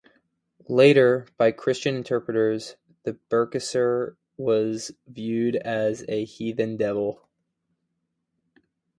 Later, by Christian interpreters, the berserker was viewed as a "heathen devil".